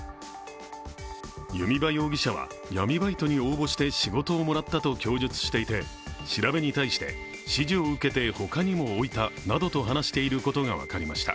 弓場容疑者は闇バイトに応募して仕事をもらったと供述していて調べに対して指示を受けて他にも置いたなどと話していることが分かりました。